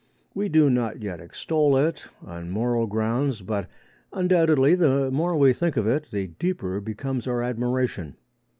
We do not yet extol it on moral grounds, but undoubtedly, the more we think of it, the deeper becomes our admiration.